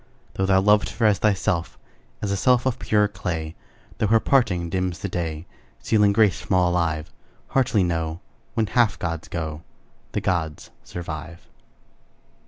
Though thou loved her as thyself, As a self of purer clay, Though her parting dims the day, Stealing grace from all alive; Heartily know, When half gods go, The gods survive.